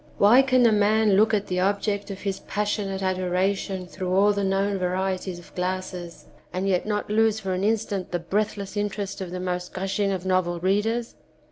Why can a man look at the object of his passionate adoration through all the known varieties of glasses and yet not lose for an instant the breathless interest of the most gushing of novel readers